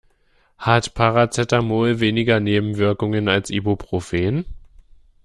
Hat Paracetamol weniger Nebenwirkungen als Ibuprofen?